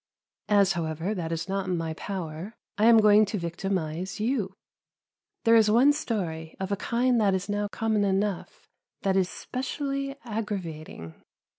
As however, that is not in my power, I am going to victimise you. There is one story, of a kind that is now common enough, that is specially aggravating.